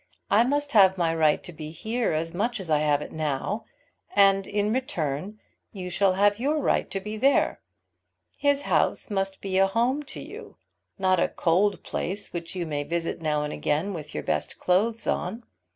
I must have my right to be here as much as I have it now; and, in return, you shall have your right to be there. His house must be a home to you, not a cold place which you may visit now and again, with your best clothes on.